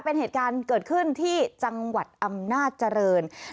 เป็นเหตุการณ์เกิดขึ้นที่จังหวัดอำนาจเจริญ